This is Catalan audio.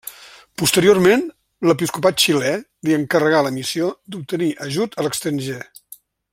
Posteriorment, l'episcopat xilè li encarregà la missió d'obtenir ajut a l'estranger.